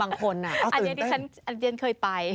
อันนี้ที่ฉันเคยไป